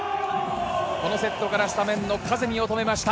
このセットからスタメンのカゼミを止めました。